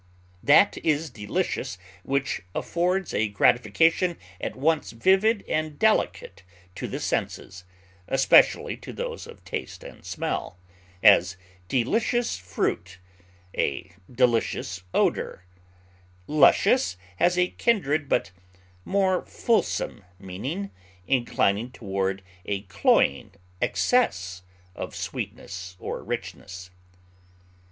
That is delicious which affords a gratification at once vivid and delicate to the senses, especially to those of taste and smell; as, delicious fruit; a delicious odor; luscious has a kindred but more fulsome meaning, inclining toward a cloying excess of sweetness or richness.